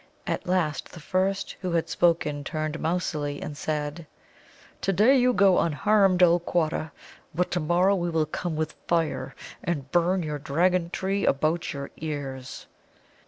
At last the first who had spoken turned mousily and said: "To day you go unharmed, old Quatta, but to morrow we will come with fire and burn your Dragon tree about your ears."